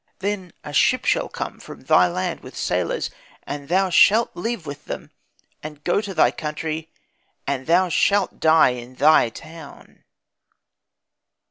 Then a ship shall come from thy land with sailors, and thou shalt leave with them and go to thy country, and thou shalt die in thy town.